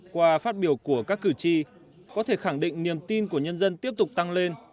qua phát biểu của các cử tri có thể khẳng định niềm tin của nhân dân tiếp tục tăng lên